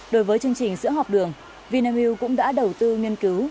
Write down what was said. đối với chương trình sữa học đường vinamilk cũng đã đầu tư nghiên cứu